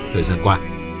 thời gian qua